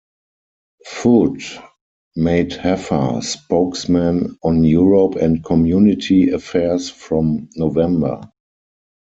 Foot made Heffer spokesman on Europe and Community Affairs from November.